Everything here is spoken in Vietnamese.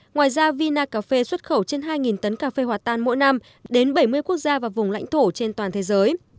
ngoài ra vina cà phê xuất khẩu trên hai tấn cà phê hòa tan mỗi năm đến bảy mươi quốc gia và vùng lãnh thổ trên toàn thế giới